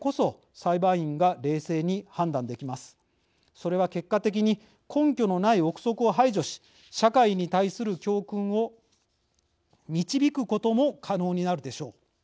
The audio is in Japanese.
それは結果的に根拠のない臆測を排除し社会に対する教訓を導くことも可能になるでしょう。